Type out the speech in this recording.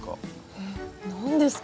えっ何ですか？